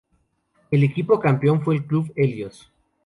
El equipo campeón fue el Club Helios.